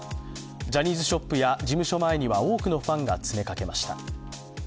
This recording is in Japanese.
ジャニーズショップや事務所前には多くのファンが詰めかけました。